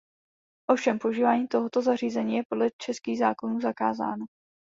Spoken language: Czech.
Ovšem používání tohoto zařízení je podle českých zákonů zakázáno.